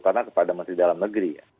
karena kepada menteri dalam negeri